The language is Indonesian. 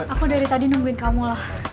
aku dari tadi nungguin kamu lah